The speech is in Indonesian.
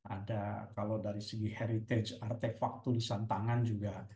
ada kalau dari segi heritage artefak tulisan tangan juga ada gitu